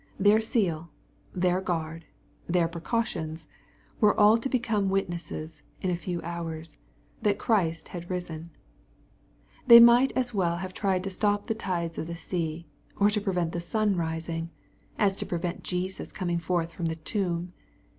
Their seal, their guard, their precautions, were all to become witnesses, in a few hours, that Christ had risen. They might as well have tried to stop the tides of the sea, or to prevent the sun rising, as to prevent Jesus coming forth from the tomb.